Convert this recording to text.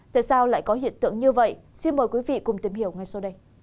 tại sao lại có hiện tượng như vậy xin mời quý vị cùng tìm hiểu ngay sau đây